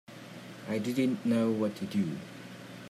I didn't know what to do.